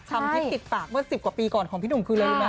ของทิศติดปากเว้น๑๐กว่าปีก่อนของพี่หนุ่มคืออะไรนะ